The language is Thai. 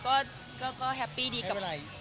ก็แฮปปี้ดีกับบิ๊ก